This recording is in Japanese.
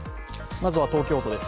まずは東京都です。